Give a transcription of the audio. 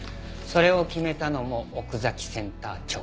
それを決めたのも奥崎センター長。